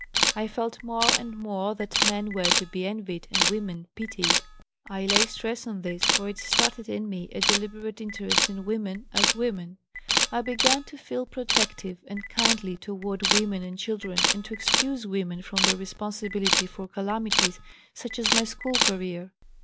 I felt more and more that men were to be envied and women pitied. I lay stress on this for it started in me a deliberate interest in women as women. I began to feel protective and kindly toward women and children and to excuse women from their responsibility for calamities such as my school career.